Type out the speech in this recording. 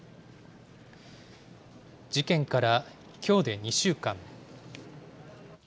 事件からきょうで２週間。